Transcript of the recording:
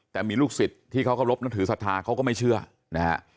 แต่มีลูกศิษย์ที่เขาเคารพนับถือศรัทธาเขาก็ไม่เชื่อนะฮะ